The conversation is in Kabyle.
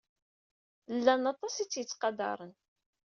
Llan aṭas ay tt-yettqadaren.